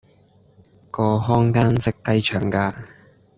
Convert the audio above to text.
個看更識雞腸㗎